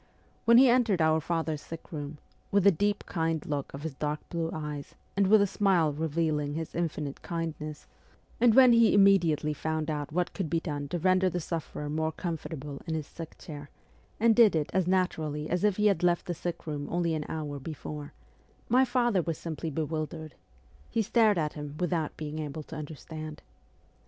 When he entered our father's sick room, with the deep, kind look of his dark blue eyes and with a smile reveal ing his infinite kindness, and when he immediately 48 MEMOIRS OF A REVOLUTIONIST found out what could be done to render the sufferer more comfortable in his sick chair, and did it as natur ally as if he had left the sick room only an hour before, my father was simply bewildered ; he stared at him without being able to understand.